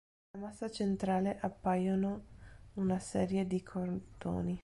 Nella massa centrale appaiono una serie di cordoni.